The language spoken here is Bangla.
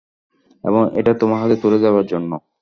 এবং, এটা তোমার হাতে তুলে দেওয়ার জন্য!